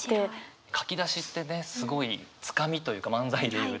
書き出しってねすごいつかみというか漫才でいう。